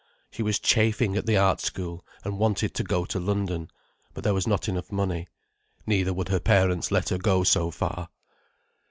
She was chafing at the Art School and wanted to go to London. But there was not enough money. Neither would her parents let her go so far.